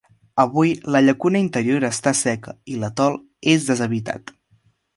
Avui la llacuna interior està seca, i l'atol és deshabitat.